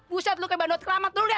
buset lu kayak bandot keramat